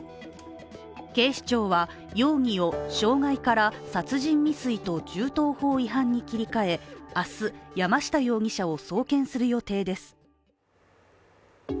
警視庁は容疑を傷害から殺人未遂と銃刀法違反に切り替え、明日、山下容疑者を送検する予定です。